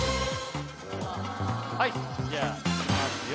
はいじゃあいきますよ